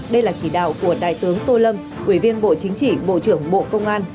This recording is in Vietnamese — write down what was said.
đây là chỉ đạo của đại tướng tô lâm ủy viên bộ chính trị bộ trưởng bộ công an